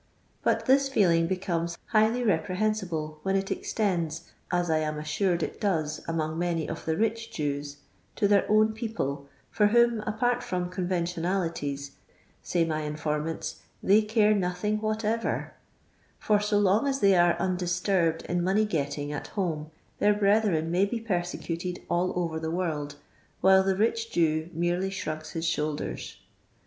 Bnt thia feelii^ becomes highly reprehensible when it extends — as I am assured it does among many of the rich Jews— to their own people, for whom, apart from conventionalities, say my informant^ lAtfy cart nothing whatevtr ; for so long as they are undis turbed in money getting at home, their brethren may be persecuted all over the world, while the rich Jew merely shrugs his shoulders.